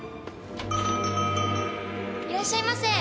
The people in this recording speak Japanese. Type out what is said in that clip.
いらっしゃいませ。